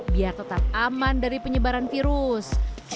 biar tetap aman dari penyebaran virus